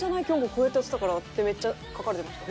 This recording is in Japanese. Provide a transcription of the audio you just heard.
こうやってやってたから」ってめっちゃ書かれてました。